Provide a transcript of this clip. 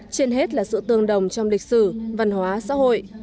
trên hết là sự tương đồng trong lịch sử văn hóa xã hội